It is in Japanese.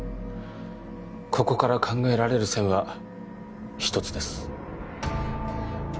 ここから考えられる線は一つです